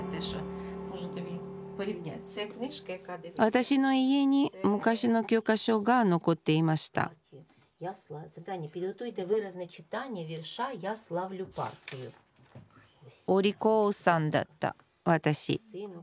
私の家に昔の教科書が残っていましたおりこうさんだった私。